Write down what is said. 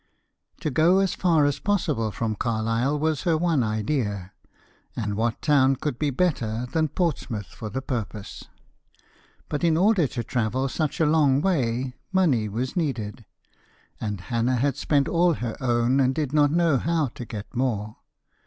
To go as far as possible from Carlisle was her one idea, and what town could be better than Portsmouth for the purpose? But in order to travel such a long way, money was needed, and Hannah had spent all her own and did not know how to get more.